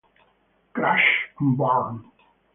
Crash and Burn